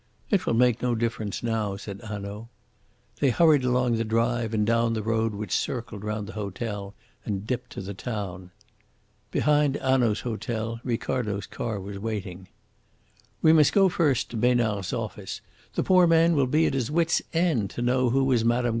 "It will make no difference now," said Hanaud. They hurried along the drive and down the road which circled round the hotel and dipped to the town. Behind Hanaud's hotel Ricardo's car was waiting. "We must go first to Besnard's office. The poor man will be at his wits' end to know who was Mme.